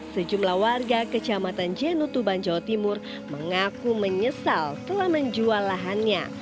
sejumlah warga kecamatan jenutuban jawa timur mengaku menyesal telah menjual lahannya